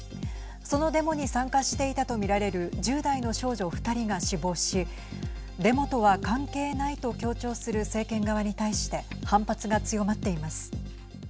そのデモに参加していたと見られる１０代の少女２人が死亡しデモとは関係ないと強調する政権側に対して反発が強まっています。